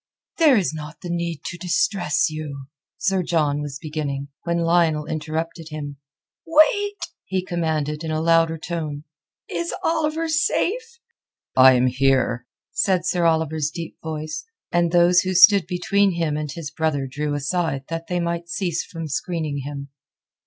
"There is not the need to distress you...." Sir John was beginning, when Lionel interrupted him. "Wait!" he commanded in a louder tone. "Is Oliver safe?" "I am here," said Sir Oliver's deep voice, and those who stood between him and his brother drew aside that they might cease from screening him.